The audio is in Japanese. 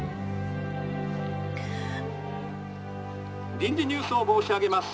「臨時ニュースを申し上げます。